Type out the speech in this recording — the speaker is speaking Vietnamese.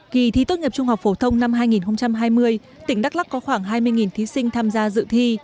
kỳ thi tốt nghiệp trung học phổ thông năm hai nghìn hai mươi tỉnh đắk lắc có khoảng hai mươi thí sinh tham gia dự thi